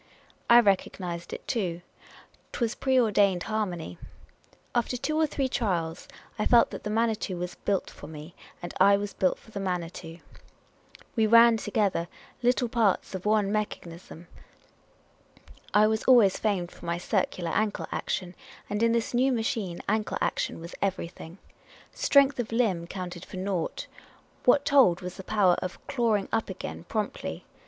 I recognised it too. 'T was a pre ordained harmony. After two or three trials I felt that the Manitou was built for me, and I was built for the Manitou. We ran together like parts of one mechanism. I was always famed for my circular ankle action ; and in this new machine, ankle action was everything. Strength of limb counted for naught ; what told was the power of "clawing up again" promptly.